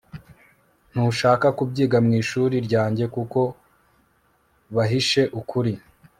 ntushaka kubyiga mwishuri ryanjye kuko bahishe ukuri